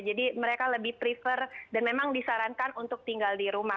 jadi mereka lebih prefer dan memang disarankan untuk tinggal di rumah